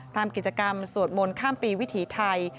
ทำกิจกรรมสวดมนต์ข้ามปีวิถีไทย